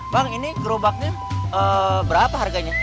bang ini gerobaknya berapa harganya